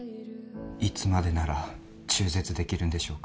いつまでなら中絶できるんでしょうか。